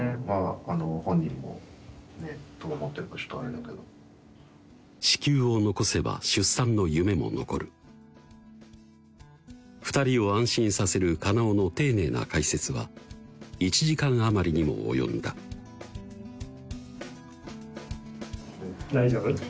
まぁあの子宮を残せば出産の夢も残る２人を安心させる金尾の丁寧な解説は１時間余りにも及んだ大丈夫？